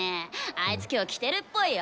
あいつ今日来てるっぽいよ。